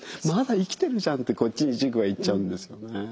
まだ生きてるじゃんってこっちに軸はいっちゃうんですよね。